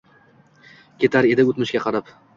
Ketar edi o‘tmishga qarab.